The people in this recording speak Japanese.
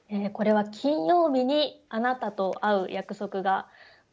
これは金曜日にあなたと会う約束がある。